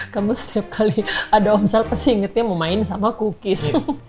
kamu setiap kali ada onsel pasti ingetnya mau main sama cookies